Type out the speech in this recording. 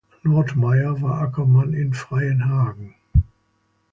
Nordmeyer war Ackermann in Freienhagen.